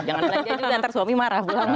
jangan jadi nanti suami marah pulang pulang ya